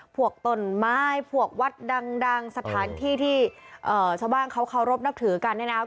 พวกต้นไม้พวกวัดดังสถานที่ที่ชาวบ้านเขาเคารพนับถือกันเนี่ยนะครับ